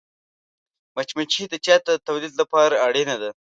مچمچۍ د شاتو د تولید لپاره اړینه ده